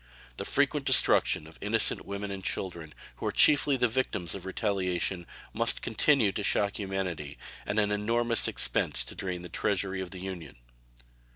The frequent destruction of innocent women and children, who are chiefly the victims of retaliation, must continue to shock humanity, and an enormous expense to drain the Treasury of the Union.